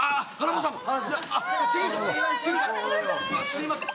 すいません。